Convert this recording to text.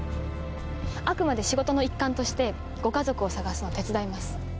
あくまで仕事の一環としてご家族を探すのを手伝います。